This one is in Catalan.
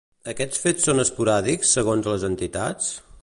Aquests fets són esporàdics, segons les entitats?